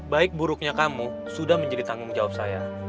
baik buruknya kamu sudah menjadi tanggung jawab saya